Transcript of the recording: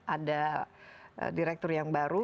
ada direktur yang baru